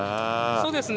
そうですね。